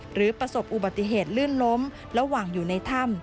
ประสบอุบัติเหตุลื่นล้มระหว่างอยู่ในถ้ำ